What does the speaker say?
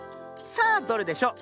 さあどれでしょう。